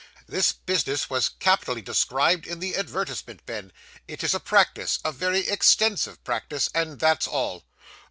This business was capitally described in the advertisement, Ben. It is a practice, a very extensive practice and that's all.